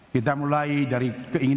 kita mulai dari keinginan